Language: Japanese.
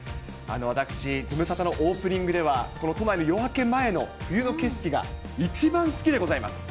私、ズムサタのオープニングでは、この都内の夜明け前の冬の景色が一番好きでございます。